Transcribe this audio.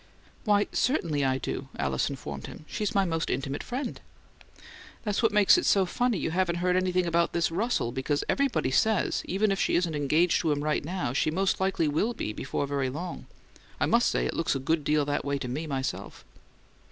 "Why, certainly I do," Alice informed him. "She's my most intimate friend." "That's what makes it seem so funny you haven't heard anything about this Russell, because everybody says even if she isn't engaged to him right now, she most likely will be before very long. I must say it looks a good deal that way to me, myself."